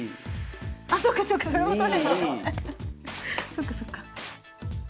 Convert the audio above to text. そっかそっか。